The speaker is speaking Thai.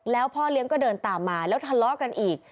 แล้วพ่อเลี้ยงก็เดินตามมาแล้วทะเลาะกันอีก